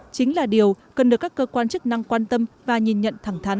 chính là điều cần được các cơ quan chức năng quan tâm và nhìn nhận thẳng thắn